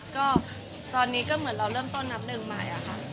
ก็ตอนนี้ก็เหมือนเราเริ่มต้นนับหนึ่งใหม่อะค่ะ